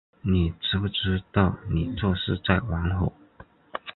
你知不知道你这是在玩火